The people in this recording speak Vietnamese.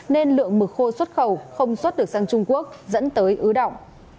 nên lượng mực khô xuất khẩu không xuất được sang trung quốc dẫn tới ứ động